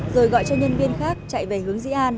rồi gọi cho nhân viên khác chạy về hướng dĩ an